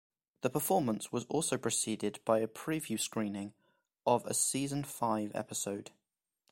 The performance was also preceded by a preview screening of a season five episode.